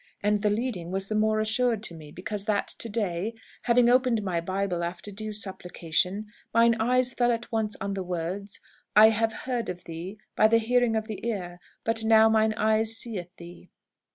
And the leading was the more assured to me, because that to day, having opened my Bible after due supplication, mine eyes fell at once on the words, 'I have heard of thee by the hearing of the ear; but now mine eyes seeth thee.'